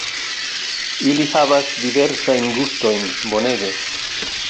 Ili havas diversajn gustojn, bonege